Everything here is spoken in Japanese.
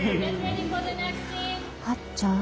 はっちゃん。